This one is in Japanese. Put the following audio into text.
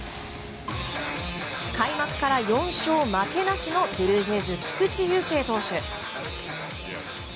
開幕から４勝負けなしのブルージェイズ、菊池雄星投手。